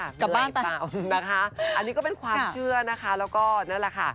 กลับบ้านไปนะคะอันนี้ก็เป็นความเชื่อนะคะแล้วก็นั่นแหละค่ะ